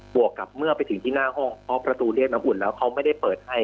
วกกับเมื่อไปถึงที่หน้าห้องเพราะประตูเรียกน้ำอุ่นแล้วเขาไม่ได้เปิดให้